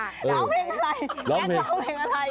ร้องเพลงอะไรแก๊กร้องเพลงอะไร